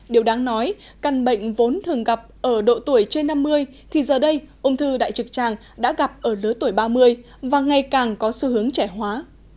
điều đáng nói căn bệnh vốn thường gặp ở độ tuổi trên năm mươi thì giờ đây ung thư đại trực tràng đã gặp ở lứa tuổi ba mươi và ngày càng có xu hướng trẻ hóa